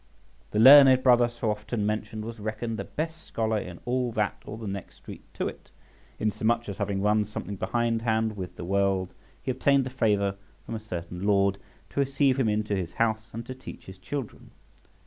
The learned brother so often mentioned was reckoned the best scholar in all that or the next street to it; insomuch, as having run something behindhand with the world, he obtained the favour from a certain lord {80b} to receive him into his house and to teach his children.